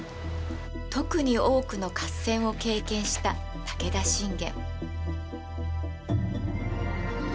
特に多くの合戦を経験した武田信玄。